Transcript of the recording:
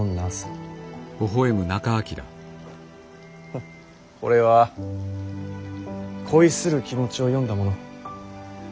フッこれは恋する気持ちを詠んだもの。